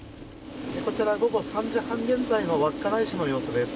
こちら午後３時半現在の稚内市の映像です。